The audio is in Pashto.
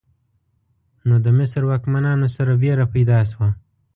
نو د مصر واکمنانو سره ویره پیدا شوه.